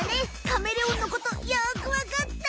カメレオンのことよくわかった！